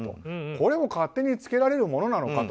これは勝手につけられるものなのかと。